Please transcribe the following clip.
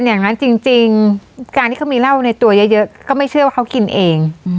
อย่างนั้นจริงการที่เขามีเหล้าในตัวเยอะก็ไม่เชื่อว่าเขากินเอง